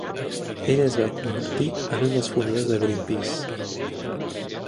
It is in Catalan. Ell es va convertir en un dels fundadors de Greenpeace.